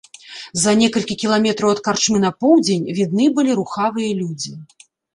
За некалькі кіламетраў ад карчмы на поўдзень відны былі рухавыя людзі.